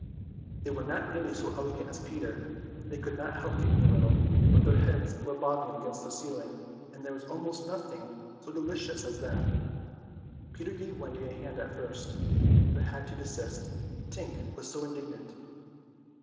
They were not nearly so elegant as Peter, they could not help kicking a little, but their heads were bobbing against the ceiling, and there is almost nothing so delicious as that. Peter gave Wendy a hand at first, but had to desist, Tink was so indignant.